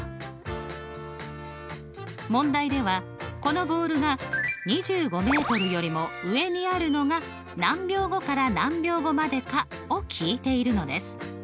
問題ではこのボールが２５よりも上にあるのが何秒後から何秒後までかを聞いているのです。